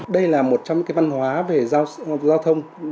đây là một trong những văn hóa về giao thông